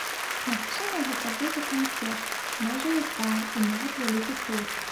Магчыма, гэта будзе канцэрт, можа, і два, і нават вялікі тур.